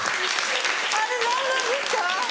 あれ何なんですか？